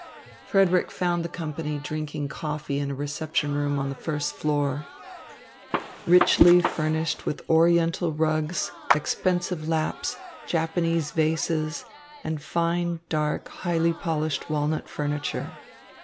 Frederick found the company drinking coffee in a reception room on the first floor, richly furnished with oriental rugs, expensive lamps, Japanese vases, and fine, dark, highly polished walnut furniture.